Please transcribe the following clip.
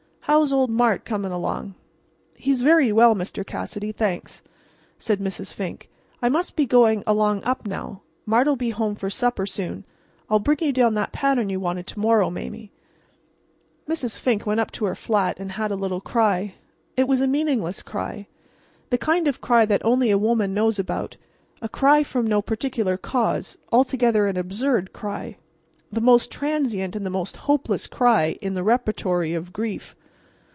How's old Mart coming along?" "He's very well, Mr. Cassidy—thanks," said Mrs. Fink. "I must be going along up now. Mart'll be home for supper soon. I'll bring you down that pattern you wanted to morrow, Mame." Mrs. Fink went up to her flat and had a little cry. It was a meaningless cry, the kind of cry that only a woman knows about, a cry from no particular cause, altogether an absurd cry; the most transient and the most hopeless cry in the repertory of grief.